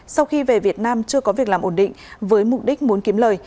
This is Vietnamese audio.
sau khi về việt nam chưa có việc làm ổn định với mục đích muốn kiếm lời